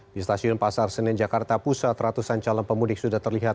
di stasiun pasar senen jakarta pusat ratusan calon pemudik sudah terlihat